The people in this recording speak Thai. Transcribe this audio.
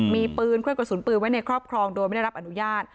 มีปืนเครื่องกระสุนปืนไว้ในครอบครองโดยไม่ได้รับอนุญาต